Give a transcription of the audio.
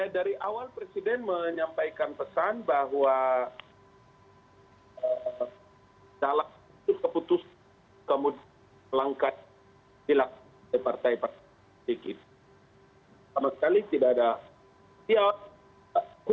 dari awal presiden menyampaikan pesan bahwa salah satu keputusan kemudian melangkah silap dari partai partai dikir